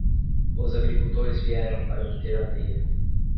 Os agricultores vieram para obter aveia.